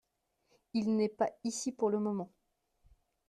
Il n’est pas ici pour le moment.